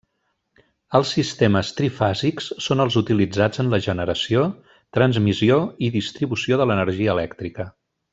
Els sistemes trifàsics són els utilitzats en la generació, transmissió i distribució de l'energia elèctrica.